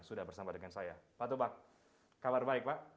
sudah bersama dengan saya pak tobak kabar baik pak